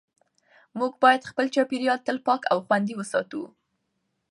موږ باید خپل چاپېریال تل پاک او خوندي وساتو